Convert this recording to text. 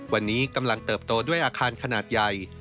วันนี้กำลังเติบโตด้วยอาคารขนาดใหญ่